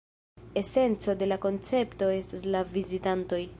Esenco de la koncepto estas la vizitantoj.